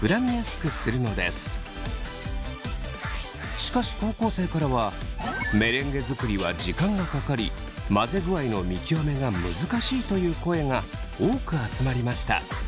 しかし高校生からはメレンゲ作りは時間がかかり混ぜ具合の見極めが難しいという声が多く集まりました。